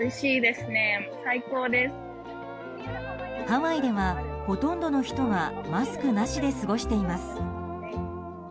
ハワイでは、ほとんどの人がマスクなしで過ごしています。